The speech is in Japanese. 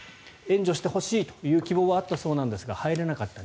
援助してほしいという希望はあったそうなんですが入れなかった。